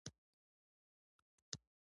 آیا دوی د ازادې سوداګرۍ پلویان نه دي؟